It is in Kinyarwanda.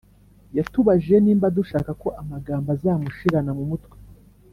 Yatubajije nimba dushaka ko amagambo azamushirana mumutwe